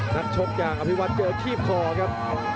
นักชกอย่างอภิวัตเจอคีบคอครับ